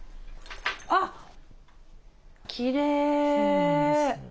あっきれい！